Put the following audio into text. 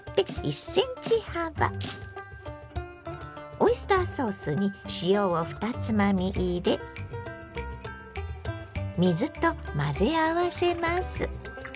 オイスターソースに塩を２つまみ入れ水と混ぜ合わせます。